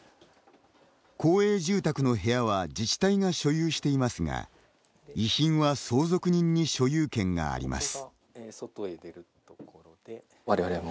公営住宅の部屋は自治体が所有していますが遺品は相続人に所有権があります。